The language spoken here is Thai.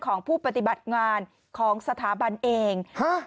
ของผู้ปฏิบัติงานของสถาบันเองฮะ